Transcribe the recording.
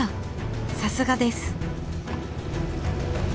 さすがです！